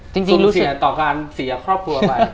สูญเสียต่อการเสียครอบครัวไป